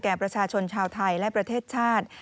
ประชาชนชาวไทยและประเทศชาติ